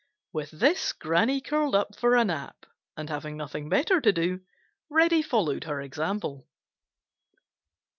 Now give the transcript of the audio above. With this Granny curled up for a nap, and having nothing better to do, Reddy followed her example.